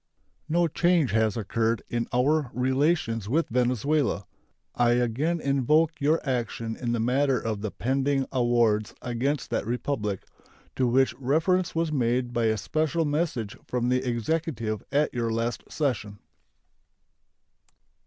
No change has occurred in our relations with Venezuela. I again invoke your action in the matter of the pending awards against that Republic, to which reference was made by a special message from the Executive at your last session.